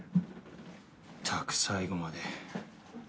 ったく最後まで。